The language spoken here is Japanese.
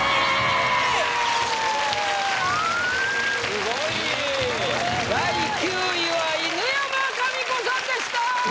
・すごい・第９位は犬山紙子さんでした。